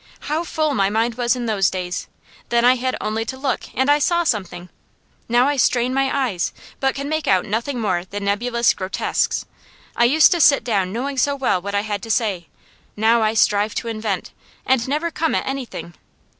How full my mind was in those days! Then I had only to look, and I saw something; now I strain my eyes, but can make out nothing more than nebulous grotesques. I used to sit down knowing so well what I had to say; now I strive to invent, and never come at anything.